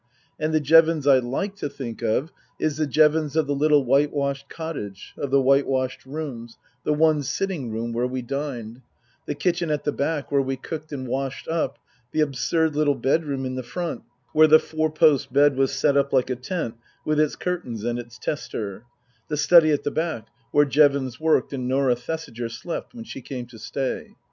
And the Jevons I like to think of is the Jevons of the little whitewashed cottage, of the whitewashed rooms, the one sitting room where we dined ; the kitchen at the back where we cooked and washed up ; the absurd little bed room in the front where the four post bed was set up like a tent with its curtains and its tester ; the study at the back where Jevons worked and Norah Thesiger slept when she came to stay.